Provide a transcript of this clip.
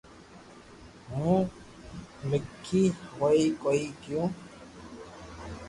ھون آگي ڪوئي ڪوئي ڪيو